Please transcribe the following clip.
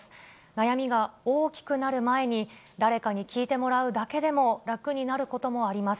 悩みが大きくなる前に、誰かに聞いてもらうだけでも楽になることもあります。